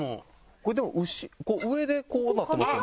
これでも上でこうなってますよね。